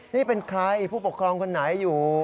นี่เป็นใครผู้ปกครองคนไหนอยู่